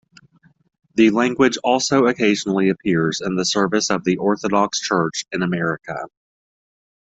The language also occasionally appears in the services of the Orthodox Church in America.